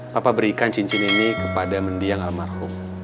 papa berikan cincin ini kepada mendiang almarhum